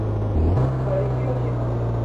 تاریکی را شکافتن